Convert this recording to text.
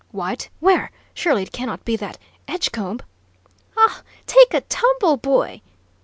"White where? Surely it cannot be that Edgecombe " "Augh, take a tumble, boy!"